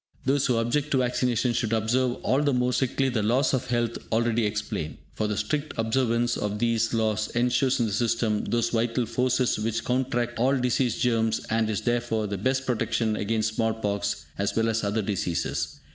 Those who object to vaccination should observe all the more strictly the laws of health already explained; for the strict observance of these laws ensures in the system those vital forces which counteract all disease germs, and is, therefore, the best protection against small pox as well as other diseases.